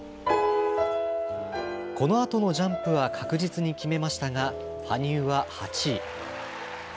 このあとのジャンプは確実に決めましたが羽生は８位。